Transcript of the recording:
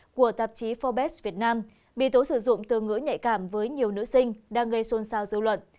của tạp chí forbes việt nam bị tố sử dụng từ ngưỡng nhạy cảm với nhiều nữ sinh đang gây xôn xao dư luận